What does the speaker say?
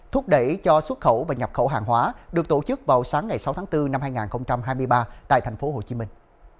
thúc đẩy cho xuất khẩu và nhập khẩu hàng hóa được tổ chức vào sáng ngày sáu tháng bốn năm hai nghìn hai mươi ba tại thành phố hồ chí minh